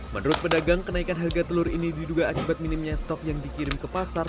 menurut pedagang kenaikan harga telur ini diduga akibat minimnya stok yang dikirim ke pasar